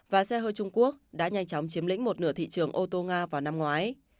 và xe hơi trung quốc đã nhanh chóng chiếm lĩnh một nửa thị trường ô tô nga vào năm ngoái